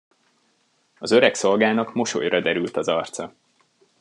Az öreg szolgának mosolyra derült az arca.